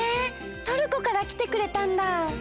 トルコからきてくれたんだ！